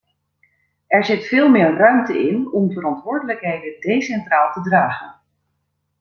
Er zit veel meer ruimte in om verantwoordelijkheden decentraal te dragen.